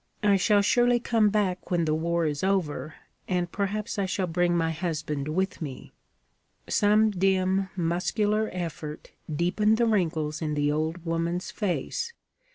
I shall surely come back when the war is over, and perhaps I shall bring my husband with me.' Some dim muscular effort deepened the wrinkles in the old woman's face.